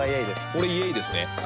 これイエイですね